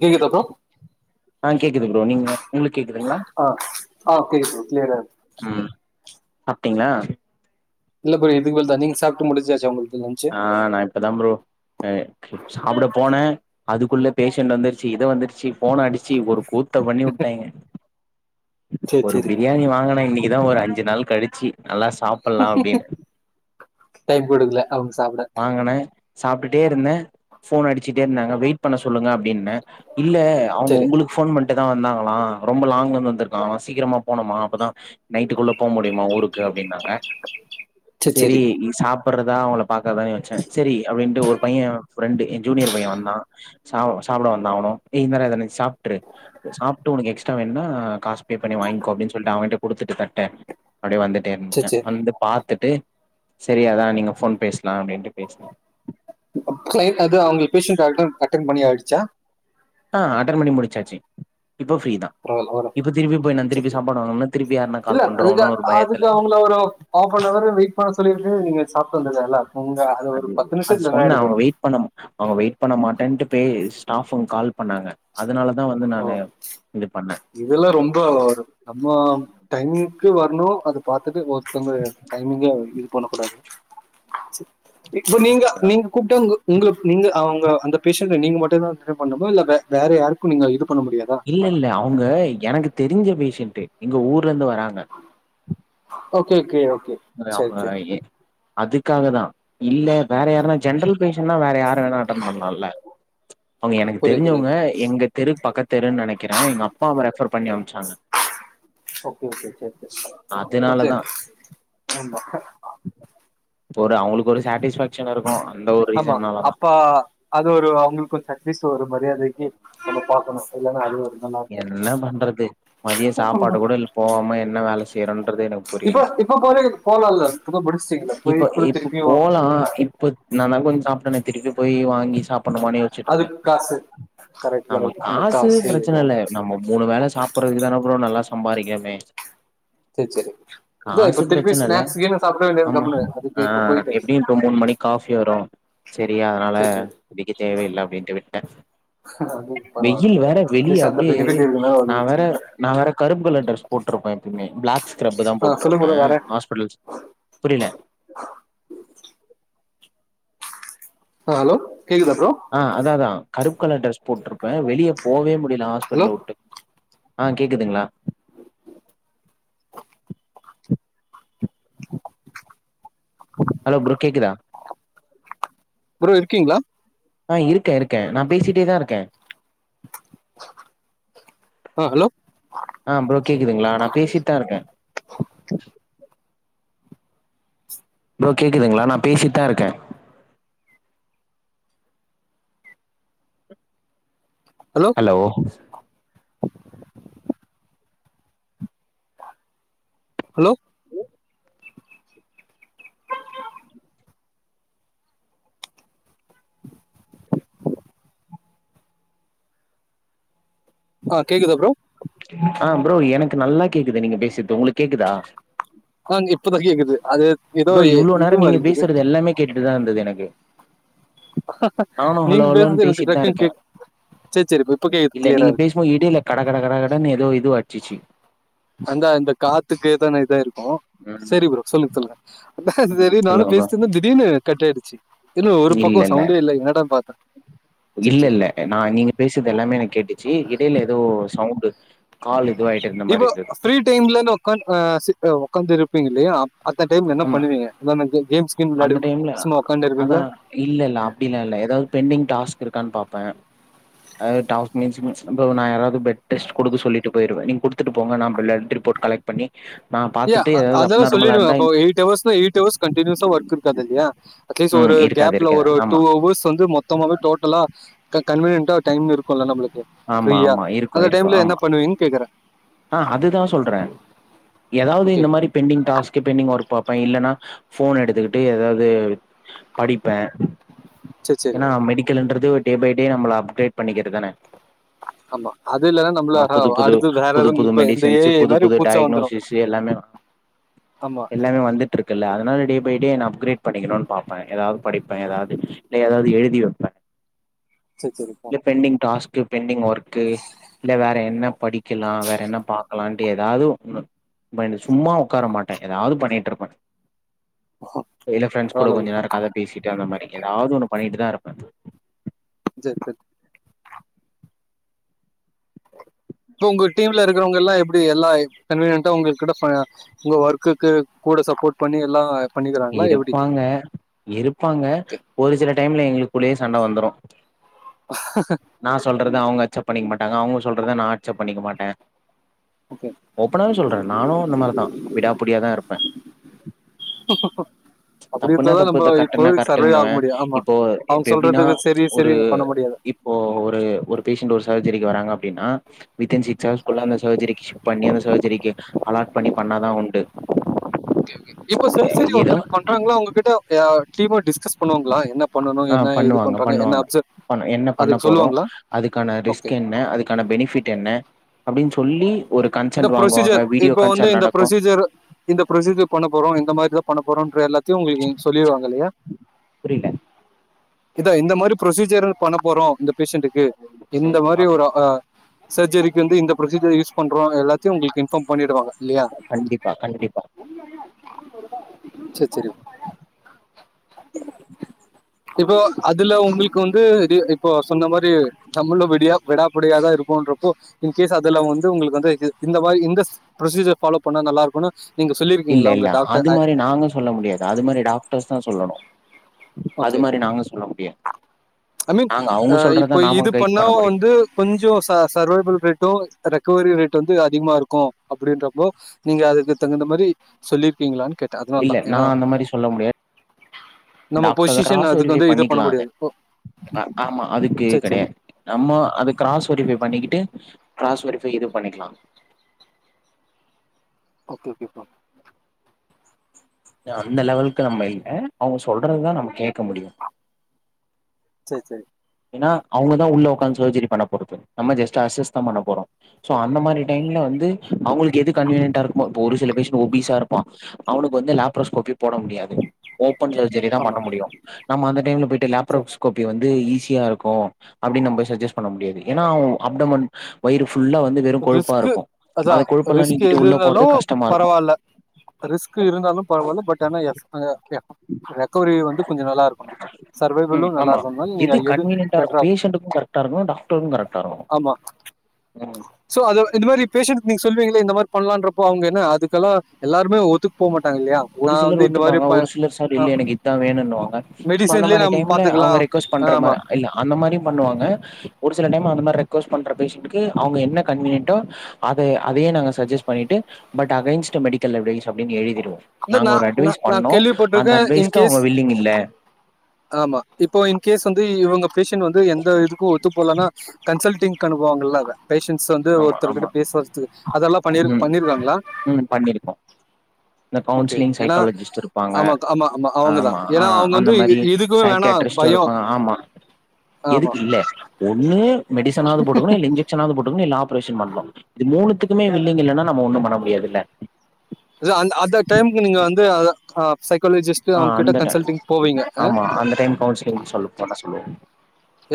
கேக்குதா ப்ரோ ஆ கேக்குதுங் ப்ரோ நீங்க உங்களுக்கு கேக்குதுங்களா ஆ ஆ கேக்குது ப்ரோ க்ளியரா ம் சாப்டிங்களா இல்ல ப்ரோ இதுக்கு மேல தா நீங் சாப்ட்டு முடிசாச்சா உங்களுக்கு லஞ்சு ஆ நா இப்பதா ப்ரோ ஆ சாப்ட போன அதுக்குள்ள பேஷண்ட் வந்துருச்சு இத வந்துருச்சு போன் அடிச்சு ஒரு கூத்த பண்ணி வுட்டாய்ங்க சரி ஒரு சரி பிரியாணி வாங்கன இன்னிக்குதா ஒரு அஞ்சு நாள் கழிச்சு நல்லா சாப்டலா அப்டின்னு டைம் போய்டுதுல அவங்க சாப்ட வாங்குன்ன சாப்புட்டுட்டே இருந்த போன் அடிச்சிட்டே இருந்தாங்க வெயிட் பண்ண சொல்லுங்க அப்டின்னே இல்ல அவுங்க சரி உங்களுக் ஃபோன் பண்ட்டுதா வந்தாங்களா ரொம்ப லாங்லர்ந்து வந்திருக்காங்களா சீக்கிரமா போனுமா அப்பதா நைட்டுக்குள்ள போ முடியுமா ஊருக்கு அப்டின்னாங்க சரி செரி சரி இனி சாப்பட்றதா அவங்கள பாக்கறதான் யோஸ்ச்சே செரி அப்டின்ட்டு ஒரு பைய ஃப்ரெண்டு எ ஜூனியர் பைய வந்தா சா சாப்ட வந்தா அவனு ஏய் இந்தா டா இத நீ சாப்ட்ரு சாப்புட்டு உனக்கு எக்ஸ்ட்ரா வேண்னா காசு பே பண்ணி வாய்ங்க்கோ அப்டின் சொல்ட்டு அவன்ட்ட குடுத்துட்டு தட்ட அப்டியே வந்துட்டே சரி இர்ந்துட்டே சரி வந்து பாத் துட்டு செரி அதா நீங்க ஃபோன் பேஸ்லா அப்டின்ட்டு பேஸ்ன கிளைண்ட் அது அவுங்ள்க் பேஷன்ண்ட அட்ரன் அட்டென் பண்ணி ஆயிடுச்சா ஆ அட்டன் பண்ணி முடிச்சாச்சு இப்போ ஃப்ரீ தா பரவாயில்ல வரும் இப்ப திருப்பி போய் நா சரி திருப்பி சரி சாப்பாடு வாங்ணுன்னா திருப்பி யாருனா கால் பண்ருவாங்களோனு ஒரு பயத்துல ல்ல ஒரு ஹாஃபனவரு வெயிட் பண்ண சொல்லிட்டு நீ சாப்ட்டு வந்துருக்கலால்ல உங்க அது ஒரு பத்து நிம்ஷத்துல என்ன ஆய்ட போது பணம் அவுங்க வெய்ட் பண்ண மாட்டேன்ட்டு போய் ஸ்டாஃப் ரூம் கால் பண்ணாங்க அதுனால தா வந்து நானு இது பண்ணே இதெல்லா ரொம்ப ஓவரு நம்ம டைமிங்க்கு வர்ணு அது பாத்துட்டு ஒர்த்தங்க டைமிங்க இது பண்ண கூடாது சே இப்ப நீங்க ஓகேவா நீங்க கூப்ட்டா உங்க உங்க நீங்க அவுங்க அந்த பேஷண்ட நீங்க மட்டுந் தா அட்டன் பண்ணுமா இல்ல வே வேற யாருக்கு நீங்க இது பண்ண முடியாதா இல்ல இல்ல அவுங்க எனக்கு தெரிஞ்ச பேஷண்ட்டு எங்க ஊர்லர்ந்து வராங்க ஓகே ஓகே ஓகே இந் மாரி சரி அவங்க சரி எ அதுக்காக தா இல்ல வேற யாருனா ஜென்ரல் பேஷண்னா வேற யாரு வேணா அட்டன் பண்லால்ல அவுங்க எனக்கு புரியுது தெரிஞ்சவ்ங்க புரியுது எங்க தெருக் பக்கத்து தெருன் நெனைக்கறே எங்க அப்பாவ ரெஃபர் பண்ணி அம்ச்சாங்க ஓகே ஓகே ஓகே ஓகே அப்ப அதனாலதா சேரி ஆமா இப்ப ஒரு அவுங்களுக்கு ஒரு சேட்டிஸ்ஃபேக்ஷன் இருக்கு அந்த ஒரு ஆமா ரீசன்னாலதா அப்பா அது ஒரு அவுங்களுக் கொஞ் அட்லீஸ்ட் ஒரு மரியாதைக்கு நம்ம பாக்கணு இல்லன்னா அது ஒரு நல்லா இருக்காது என்ன பண்றது மதிய சாப்பாடு கூட இல் போவாம என்ன வேல செய்றன்றது எனக் இப்போ இப்போ போயி போலால்ல இப் தா முடிஸ்ட்டீங்கல்ல இப்ப இப்ப போலா இப்ப நா தா கொஞ் சாப்ட்டனே திருப்பியு போயி வாங்கி சாப்பட்ணுமானு யோஸ் ச்சிட்ருக்க அதுக்கு காசு கரெக்ட் நமக் கரெக்ட் அந்த காசு பிரச்சன அதெல்லாம். இல்ல நம்ம மூணு வேள சாப்பட்றதுக்கு தான ப்ரோ நல்லா சம்பாரிக்கற்மே சேர் சேரி இதா இப்ப திருப்பியு பிரச்சன இல்ல ஸ்நாக்ஸ் கீன்னு சாப்ட வேண்டியது கம்முனு அதுக்கு இப்ப போய்ட்டு றோ மூண் மணிக் காஃபி வரு செரி அதனால சேரி சேரி குடிக்க தேவயில்ல அப்டின்ட்டு விட்டே அது பரவால்ல வெயில் வேற வெளிய அட்லீஸ்ட் அந்த அப்டியே பெனிஃபிட் இருக்குனால அது நா வேற பிரச்சன இல்ல நா வேற கருப்பு கலர் ட்ரஸ் போட்ருப்பே எப்பய்மே பிளாக் ஸ்கிரப்பு தா ஆ சொல்லுங்க போட்ருப்பே ப்ரோ வேற ஹாஸ்பிட்டல்ஸ் புரில ஆ ஹலோ கேக்குதுதா ப்ரோ ஆ அதா அதா கருப்பு கலர் ட்ரஸ் போட்ருப்பே வெளிய போவே முடியில ஹலோ ஹாஸ்பிட்டல வுட்டு ஆ கேக்குதுங்ளா அலோ ப்ரோ கேக்குதா ப்ரோ இருக்கீங்ளா ஆ இருக்கே இருக்கே நா பேசிட்டே தா இருக்கே ஆ ஹலோ ஆ ப்ரோ கேக்குதுங்களா நா பேசிட்டு தா இருக்கே ப்ரோ கேக்குதுங்களா நா பேசிட்டு தா இருக்கே ஹலோ ஹலோ ஹலோ ஆ கேக்குது ப்ரோ ஆ ப்ரோ எனக்கு நல்லா கேக்குது நீங்க பேசுது உங்களுக்கு கேக்குதா ஆ இப்பதா கேக்குது அது ஏதோ ப்ரோ இவ்ளோ நேரோ இது மாரி நீங்க இருக்குது பேசுறது எல்லாமே கேட்டுட்டுதா இருந்தது எனக்கு நானு ஹலோ நீங்க ஹலோன்னு பேசுறது எனக்கு பேசிட்டு தா டக்குனு இருக்கே கேக் சேரி சேரி இப்ப இப்ப கேக்குது கிளியரா இருக்கு போ இடையில கட கட கட கட ன்னு ஏதோ இதுவா அச்சிச்சு அந்த இந்த காத்துக்கு தான இதா ஆயிருக்கு ம் சேரி ப்ரோ சொல்லுங்க சொல்லுங்க அதா ம் சேரி நானு சொல்லுங்க ப்ரோ பேசிட்டுயிருந்த திடீனு கட் ஆயிடுச்சு இல்ல ஒரு பக்கோ சவுண்டே இல்ல என்ன டானு பாத்தே சேரி சேரி ப்ரோ நான் நீங்க பேசுது எல்லாமே எனக் கேட்டுச்சு இடையில ஏதோ சவுண்டு கால் இதுவா இப்போ ஃப்ரீ டைம்ல உக்காந் உக்காந்து இருப்பீங்கயில்லையா அந்த டைம்ல என்ன ஆமா பண்ணுவீங்க உக்காந்து கேம்ஸ் கீம் விளாடி சும்மா உக்காண்டே இருப்பீங்களா இல்லல்ல அப்புடியெல்லா இல்ல ஏதாவது பெண்டிங் டாஸ்க்கு இருக்கானு பாப்பேன் ஏ டாக்மெண்ஸ் மீண்ஸ் நான் யாராவது பெட் டெஸ்ட் குடுக்க சொல்லிட்டு போயிடுவேன் நீ குடுத்துட்டு போங்க நான் பில்லெடுத்துட்டு போட் கலக்ட்பண்ணி இயா அது சொல்லிடுவே அப்ப எயிட் ஹவஸ் எயிட் ஹவஸ் கண்டினியுஸா ஒர்க் இருக்காது இல்லையா அட்லீஸ் ஒரு ம் இருக்காது கேப்ல இருக்காது ஒரு டூ ஆமா ஹவஸ் வந்து மொ தமாவே டோட்டலா கன்வீனியன்டா டைம் இருக்கும்ல நம்முளுக்கு ஆமா ஃப்ரியா ஆமா இருக்கு அந்த இருக்கு டைம்ல என்ன ஆமா பண்ணுவீன் கேக்குறே ஆ அதுதா சொல்றே ஏதாவது ஓகே இந்த மாரி பெண்டிங் டாஸ்க்கு பெண்டிங் ஒர்க் பாப்பே இல்லன்னா போன் எடுத்துட்டு ஏதாது படிப்பே சேரி சேரி எனா மெடிக்கல்ன்றது டே பை டே நம்மள அப்கிரேட் பண்ணிக்கிறதான ஆமா அது இல்லன்னா நம்மள ஆ புது அஹ், புது அடுத்து வேற புது எதுவும் புது இப்ப இந்த ஏ மெடிசின்ஸ்சு ஐ புது மாரி புது புதுசா வந்துரும் டைக்னோசிஸ்சு எல்லாமே ஆமா எல்லாமே வந்து டுருக்குல்ல அதனால டே பை டே என்ன அப்கிரேட் பண்ணிக்கனு பாப்பே ஏதாவது படிப்பே ஏதாவது இல்ல எதாவது எழுதி சேரி சேரி வைப்பே பெண்டிங் டாஸ்க்கு பெண்டிங் ஒர்க்கு இல்ல வேற என்ன படிக்கலா வேற என்ன பாக்கலான்ட்டு ஏதாது ம் ஒண்ணு மா சும்மா உக்கார மாட்டே ஏதாது பண்ணிட்டு இருப்பே இல்ல ஃப்ரண்ட்ஸ் கூட பரவால்ல ப்ரோ கொஞ்சோ நேரோ கத பேசிட்டு அந்த மாரி ஏதாது ஒண்ணு பண்ணிட்டுதா இருப்பே ஜே ஜே போ உங்க டீம்ல இருக்குறவுங்க எல்லா எப்புடி எல்லா கன்வீனியன்டா உங்ககிட்ட உங்க ஒர்க்குக்கு கூட சப்போட் பண்ணி எல்லா பண்ணிக்கிறாங்களா எப்டி இருப்பாங்க இருப்பாங்க ஒரு சில டைம்ல எங்களுக்குள்ளயே சண்ட வந்துரு [unintelligible] நான் சொல்றது அவுங்க அக்செப் பண்ணிக்க மாட்டாங்க அவுங்க சொல்றதா நா அக்சொப் பண்ணிக்க மாட்டே ஓகே ஓப்பனாவே சொல்றே நானு அந்த மாரிதா விடாபுடியாதா இருப்பே [unintelligible] [unintelligible] அப்டி தப்புனா இருந்தாதா தப்பு நம்ம து கரெக்டுனா இப்போதைக்கு சர்வே ஆக கரெக்டுனுவே முடியும் ஆமா இப்போ இப்ப அவங்க எப்படின்னா சொல்றதுக்கு சரி ஒரு சரின்னு பண்ண முடியாது ஓ ஒரு ஒரு பேஷண்ட் ஒரு சார்ஜரிக்கு வராங்க அப்டின்னா வித்தின் சிக்ஸ் ஹார்ஸ் குள்ள அந்த சர்ஜரிக்கி சிஃப்ட் பண்ணி அந்த சர்ஜரிக்கி அலாட் பண்ணி பண்ணாதா உண்டு ஓகே ஓகே இப்ப ஸர்சரி ஏதோ ஒருத்தருக்கு பண்றாங்களா அவுங்ககிட்டய டீம்மா டிஸ்கஸ் பண்ணுவாங்ளா என்னப் ஆ பண்ணுவாங்க பண்ணுவாங்க பண் என்ன பண்ண அதுக்கு போறோ சொல்லுவாங்களா அதுக்கான ஓகே ரிஸ்க் என்ன அது க்கான பெனிபிட் என்ன அப்டின் சொல்லி ஒரு இந்த கன்சென்ட் வாங்குவாங்க ப்ரொசீஜர் வீடியோ இப்ப வந்து கன்சென்ட் இந்த நடக்கு ப்ரொசீஜர் இந்த ப்ரொசீஜர் பண்ண போறோ இந்த மாரி தா பண்ண போறோன்ற எல்லாத் த்தயு உங்களுக்கு இங்க சொல்லிருவாங்க இல்லையா புரியல இதா இந்த மாரி ப்ரொசீஜர் பண்ண போறோ இந்த பேஷண்டக்கு இந்த ம் மாரி ஆமா ஒரு அ சர்ஜரிக்கு வந்து இந்த ப்ரொசீஜர் யூஸ் பண்றோ எல்லாத்தையு உங்களுக்கு இன்ஃபார்ம் பண்ணிடுவாங்க கண்டிப்பா கண்டிப்பா செர் செரி [inaudible] இப்போ அதுல உங்களுக்கு வந்து இது இப்போ சொன்ன மாரி நம்மளு வெடியா விடாபடியாதா இருப்போன்றப்போ இன்கேஸ் அதுல வந்து உங்களுக் வந்து இ இந்த மாரி இந்தஸ் புரொசீஜர் ஃபாலோ பண்ணா நல்லா இருக்குனு இல்ல இல்ல அது மாரி நாங்க சொல்ல முடியாது அது மாரி டாக்டர்ஸ் தா சொல்லணு அது ஓகே மாரி நாங்க சொல்ல முடியாது ஐ மீன் நாங்க அ அவங்க சொல்றதா இப்ப நாம இது கைட் பண்ணா பண்ண முடியு வந்து கொஞ்சோ ச சர்வைபல் ரேட்டூ ரெக்கவரி ரேட் வந்து அதிகமா இருக்கூ அப்டின்றப்போ நீங்க அதுக்கு தகுந்த மாரி சொல்லிருக்கீங்களான்னு கேட் இல்ல நா அந்த மாரி சொல்ல முடியா நம்ம டாக்டர் பொசிஷன் கிராஸ் அதுக்கு வெரிஃபைவ் வந்து இது பண்ண பண்ணிக்லா அத முடியாது ஓ ஆமா அதுக்கு சரி சரி கெடையாது நம்ம அது கிராஸ் வெரிஃபை பண்ணிக்கிட்டு கிராஸ் வெரிஃபை இது பண்ணிக்லா ஓகே ஓகே ப்ரோ த அந்த லெவலுக்கு நம்ம இல்ல அவுங்க சொல்றதுதான் நம்ம கேட்க முடியு செர் செரி ஏன்னா அவுங்கதா உள்ள உக்காந்து சர்சேஜரி பண்ண போறது நம்ம ஜஸ்ட் அசஸ்தான் பண்ண போறோ சோ அந்த மாரி டைம்ல வந்து அவுங்களுக்கு எது கன்வீனியன்டா இருக்குமோ இப்ப ஒரு சில பேஷன்ட் ஓபீசா இருப்பா அவனுக்கு வந்து லேப்ரோஸ்கோபி போட முடியாது ஓபன் சர் ஜரி தா ஆமா பண்ண முடியு நம்ம அந்த டைம்ல போய்ட்டு சரி லப்ரோஸ்கோப்பி வந்து ஈிசி கிளியரா இருக்கூ அப்டின்னு நம்ப சஜஸ்ட் பண்ண முடியாது ஏன்னா அப்டோமென் வயிறு ஃபுல்லா வந்து வெறு கொழுப்பா ரிஸ்கு இருக்கு அதா அந்த கொழுப்பெல்லா ரிஸ்க் நீக்கிட்டு எது உள்ள இருந்தாலு போறது கஷ்டமா இருக்கு பரவால்ல ரிஸ்க் இருந்தாலு பரவால்ல பட் ஆனா [unintelligible] ரெக்கவரி வந்து கொஞ்ச நல்லா இருக்குணு ம் ஆமா எது கன்வினியன்டா இருக் பெட்டரா பேஷண்ட்டுக்கூ கரெக்டா இருக்கனு டாக்டருக்கூ கரெக்டா இருக்கனு ஆமா சோ அது இந்த மாரி பேஷன்ட் நீங்க சொல்லுவீங்கள இந்த மாரி பண்லான்றப்போ அவுங்க என்ன அதுக்கல்லா எல்லாருமே ஒத்துக் ஒரு சிலர் ஒத்துப்பாங்க ஒரு சிலர் சார் அ இல்ல எனக்கு இதுதா வேணுனுவாங்க சோ அந்த மெடிசன்லயே மாரி நம்ம டைம்ல அவங்க பாத்துக்கலாம். ரே க்கோர்ஸ் பண்ற ஆமா. மார இல்ல அந்த மாரியு பண்ணுவாங்க ஒரு சில டைம் அந்த மாரி ரெக்வஸ்ட் பண்ற பேஷண்டுக்கு அவுங்க என்ன கன்வீனியன்ட்டோ அத அதயே நாங்க சஜெஸ்ட் பண்ணிட்டு பட் அகைன்ஸ்ட் மெடிக்கல் எவிடெண்ஸ் அப்டின் எழுதிருவோ இல்ல நாங்க ஒரு நான் அட்வைஸ் நான் நான் பண்ணோ அந்த கேள்விப்பட்டிருக்கேன். அட்வைஸ்க்கு இன்கேஸ் அவுங்க வில்லிங் இல்ல ஆமா இப்போ இன் கேஸ் வந்து இவுங்க பேஷன்ட் வந்து எந்த இதுக்கு ஒத்து போலனா கன்சல்டிங் கனுபவாங்கள்ல அத பேஷன்ஸ் வந்து ஆமா ஒருத்தர்கிட்ட ஆமா பேசுவதுக்கு அதெல்லா பண்ணிரு ம் பண்ணிருவாங்களா ம் பண்ணிருக்கோ இந்த ஓகே. கவுன்சிலிங் ஏன்னா சைக்காலஜிஸ்ட் இருப்பாங்க ஆமா, ஆமா, அவங்க தான். ஆமா ஆ ஏன்னா அவங்க அந்த வந்து இ மாரி இதுக்குமே வேணாம் சைக்காட்ரிஸ்ட் பயம். சருப்பா ஆமா ஆமா. எதுக்கு இல்ல ஒன்னு மெடிசனாவது போட்டுக்கணு இல்ல இஞ்ச ஷனாவது போட்டுக்குன்னு இல்ல ஆபரேஷன் பண்ணு இது மூணுதுக்கு வில்லிங் இல்லன்னா நம்ம ஒன்னு பண்ண முடியாது இல்ல இல்ல அந் அந்த டைமுக்கு நீங்க வந்து அது சைக்காலஜிஸ்ட் அ அவங்க கிட்ட அந்த டைம் கன்சல்டிங் போவீங்க ஆ? ஆமா அந்த டைம் கவுன்சிலிங் சொல் பண்ண சொல்லுவோ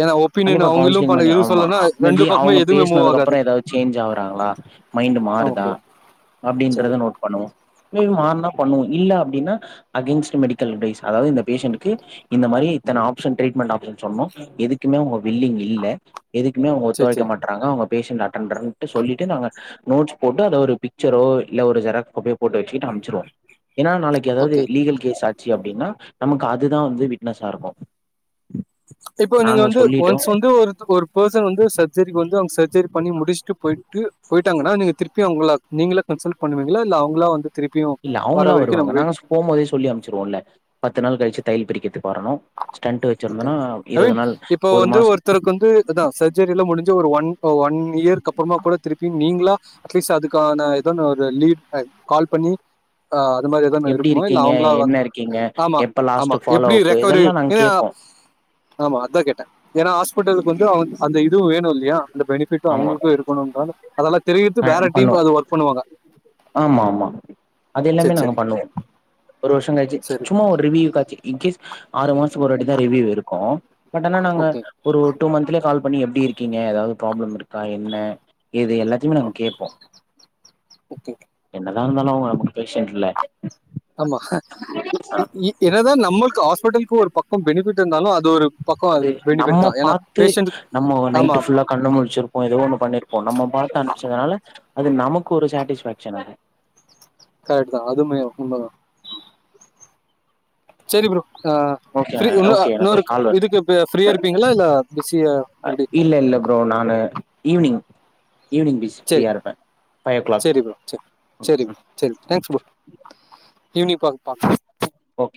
ஏன்னா ஒப்பீனியன் கண்டிப்பா அவங்களும் கவுன்சிலிங் பண்ண பண்ணி எதுவும் ஆமா சொல்லனா ரெண்டு மேபி பக்கமே அவுங்க எதுவுமே மூவ் பேசனதுக்கு ஆகாது அப்றோ ஏதாது சேஞ்ச் ஆவ்றாங்ளா மைண்டு மாறுதா ஓகே சரி அப்டின்றது நேட் பண்ணுவோ அகைன் மார்னா பண்ணுவோ இல்ல அப்டின்னா அகேன்ஸ்ட் மெடிக்கல் கைஸ் அதாவது இந்த பேஷன்ட்க்கு இந்த மாரி இத்தன ஆப்ஷன் ட்ரீட்மெண்ட் ஆப்ஷன் சொன்னோ எதுக்குமே அவங்க வில்லிங் இல்ல எதுக்குமே அவுங்க சரி ஒத்துழைக்க சரி மாட்டறாங்க அவுங்க பேஷன்ட் அட்டெண்டர் இன்ட்டு சொல்லிட்டு நாங்க நோட்ஸ் போட்டு அத ஒரு பிக்சரோ இல்ல ஒரு ஜெராகப்பியோ போட்டு வெச்சுட்டு அமைச்சிருவோ ஏன்னா நாளைக் கி ஏதாது ஓகே லீகல் கேஸ் ஆச்சு அப்டின்னா நமக்கு அதுதா வந்து விட்னஸா இருக்கு இப்போ நீங்க வந்து ஒன்ஸ் வந்து ஒருத் ஒரு பெர்சன் வந்து சர்ஜரிக்கு வந்து அவுங்க சர்ஜரி பண்ணி முடிச்சுட்டு போயிட்டு போயிட்டாங்கன்னா நீங்க திருப்பி அவுங்கள நீங்களே கன்சல்ட் பண்ணுவீங்களா இல்ல அவங்களா வந்து திருப்பியு இல்ல வர அவங்களா வரைக்கு வருவாங்க நம்ம வெயிட் நாங்க போம்போதே சொல்லி அமிச்சிடுவோல்ல பத்து நாள் கழிச்சி தையல் பிரிக்கிறதுக்கு வரணு ஸ்டன்ட் ஓகே வெச்சிருந்தோன்னா இருவது நாள் ஒரு மாச கரெக்டு தா இப்பதா சர்ஜரில்லா முடிஞ்சி ஒரு ஒன் ஒன் இயருக்கு அப்புறமா கூட திருப்பி நீங்களா அட்லீஸ்ட் அதுக்கான ஏதோன்னு ஒரு லீட் அ கால் பண்ணி ஆ அது மாரி ஏதோ ஒன்னு எப்டி இருக்குமோ இல்ல இருக்கீங்க அவுங்களா வந் என்ன இருக்கீங்க ஆமா எப்ப ஆமா லாஸ்ட் ஃபாலோ எப்டி அப்பு ரெக்கவரி இதெல்லா நாங்க இதையா கேப்போ ஆமா அதா கேட்ட ஏன்னா ஹாஸ்பிட்டலுக்கு வந்து அவங் அந்த இதுவு வேணு இல்லையா அந்த பெனிஃபிட்டு ஆமா அவுங்களுக்கு இருக்கணும் பாங்க அதெல்லா தெரிவித்து அ வேற பண்ணுவோ டீம் அது ஒர்க் பண்ணுவாங்க ஆமா ஆமா அது சரி எல்லாமே நாங்க சரி பண்ணுவோ ஒரு வருஷம் கழிச்சி சரி சும்மா ஒரு ரிவ்யூ காச்சி இன்கேஸ் ஆறு மாசுக்கு ஒருவாட்டி தா ரிவ்யூ இருக்கு பட் ஆனா நாங்க ஓகே ஒரு டூ மந்த்லயே கால் பண்ணி எப்டி இருக்கீங்க ஏதாது ப்ராப்ளம் இருக்கா என்ன இது எல்லாத்தையுமே நாங்க கேட்போ ஓகே எத இருந்தாலும் அவுங்க நமக்கு பேஷண்ட்ல ஆமா இ இ ஈ என்னதா நம்மளுக்கு ஹாஸ்பிடலுக்கு ஒரு பக்கோ பெனிஃபிட் இருந்தாலு அது ஒரு பக்கம் அது நம்ம பெனிஃபிட் தான் ஏன்னா பாத்து பேஷண்ட் நம்ம ஆமா நைட்டு ஃபுல்லா கண்ண முழிச்சிருப்போ ஏதோ ஒன்னு பண்ணிருப்போ நம்ம பாத்து அனுச்சதுனால அது நமக்கு ஒரு சாட்டிஸ்ஃபேக்ஷன் அது கரெக்ட் தா அதுமே உண்மதா சேரி ப்ரோ ஆ ஓகே ஃப்ரீ இன்னொ ஓகே எனக்கு இன்னொரு ஒரு கால் வருது இதுக்கு ஃப்ரீயா இருப்பீங்களா இல்ல பிஸியா எப்டி இல்ல இல்ல ப்ரோ நானு ஈவ்னிங் ஈவ்னிங் பிசி சேரி சேரி ப்ரோ சேரி சேரி ப்ரோ சேரி தேங்க்ஸ் ப்ரோ ஈவ்னிங் பா பாக் ஓகே